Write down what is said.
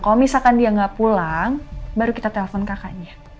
kalo misalkan dia gak pulang baru kita telepon kakaknya